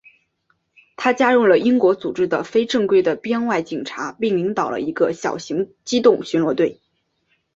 他加入了英国组织的非正规的编外警察并领导了一个小型机动巡逻队。